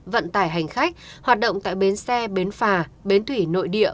vận tải hành khách hoạt động tại bến xe bến phà bến thủy nội địa